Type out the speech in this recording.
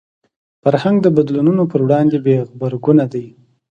فرهنګ د بدلونونو پر وړاندې بې غبرګونه دی